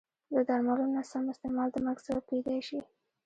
د درملو نه سم استعمال د مرګ سبب کېدای شي.